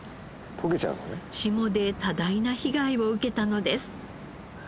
霜で多大な被害を受けたのです。